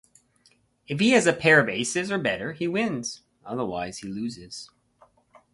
If he has a pair of aces or better, he wins, otherwise he loses.